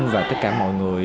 và tất cả mọi người